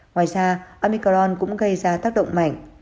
ngoài ra omicron cũng gây ra tác động mạnh